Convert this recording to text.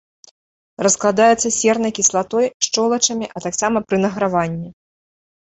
Раскладаецца сернай кіслатой, шчолачамі, а таксама пры награванні.